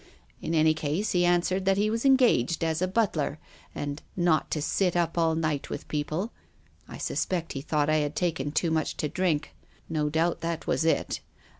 In any case he answered that he was engaged as a butler, and not to sit up all night with people. I suspect he thought I had taken too much to drink. No doubt that was it. I be PROFESSOR GUILDEA.